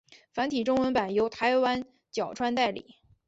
繁体中文版由台湾角川代理。